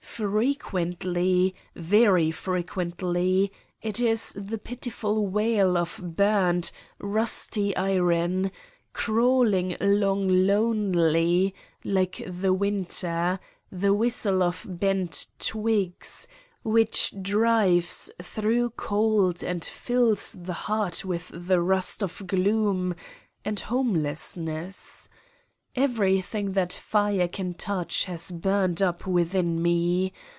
Frequently, very frequently it is the pitiful wail of burned, rusty iron, crawling along lonely, like the winter, the whistle of bent twigs, which drives thought cold and fills the heart with the rust of gloom and homelessncss. Everything that fire can touch has burned up within me.